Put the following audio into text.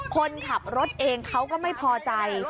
คนขับรถเองเขาก็ไม่พอใจ